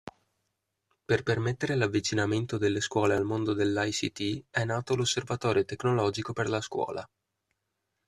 Per permettere l'avvicinamento delle scuole al mondo dell'ICT è nato l'Osservatorio Tecnologico per la Scuola.